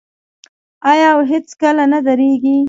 آیا او هیڅکله نه دریږي؟